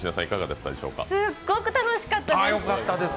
すっごく楽しかったです。